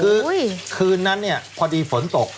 คือคืนนั้นพอดีฝนตก